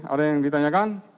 ada yang ditanyakan